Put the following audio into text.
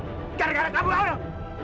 gara gara kampung ini ada musibah